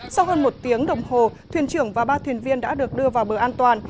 sau hơn một tiếng đồng hồ thuyền trưởng và ba thuyền viên đã được đưa vào bờ an toàn